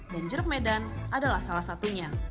dan jeruk medan adalah salah satunya